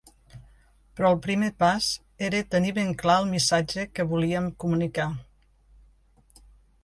Però el primer pas era tenir ben clar el missatge que volíem comunicar.